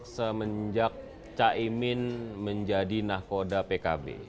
semenjak cak imin menjadi nahkoda pkb